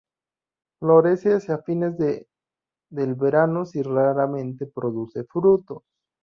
Florece hacia fines del veranos y raramente produce frutos.